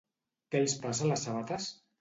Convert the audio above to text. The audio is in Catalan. Què els passa a les sabates?